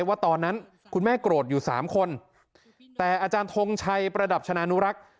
ว่าตอนนั้นคุณแม่โกรธอยู่สามคนแต่อาจารย์ทงชัยประดับชนะนุรักษ์